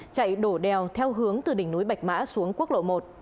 chạy đổ đèo theo hướng từ đỉnh núi bạch mã xuống quốc lộ một